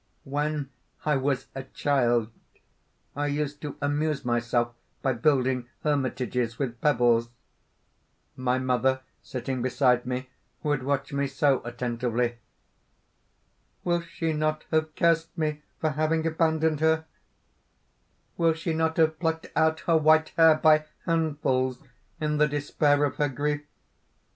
"When I was a child, I used to amuse myself by building hermitages with pebbles. My mother sitting beside me would watch me so attentively! "Will she not have cursed me for having abandoned her? will she not have plucked out her white hair by handfuls in the despair of her grief?